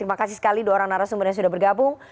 terima kasih sekali dua orang narasumber yang sudah bergabung